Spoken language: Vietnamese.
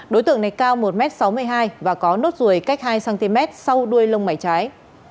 đối tượng này cao một m sáu mươi hai và có nốt ruồi cách hai cm sau đuôi lông mảy trái